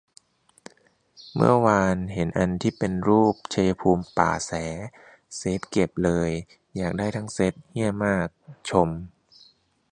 เมื่อวานเห็นอันที่เป็นรูป ชัยภูมิ ป่าแส เซฟเก็บเลย อยากได้ทั้งเซ็ต เหี้ยมาก ชม